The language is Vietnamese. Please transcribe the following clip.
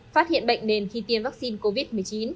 phát hiện bệnh nền khi tiêm vaccine covid một mươi chín